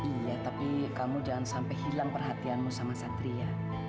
iya tapi kamu jangan sampai hilang perhatianmu sama satria